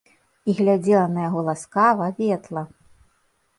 І глядзела на яго ласкава, ветла.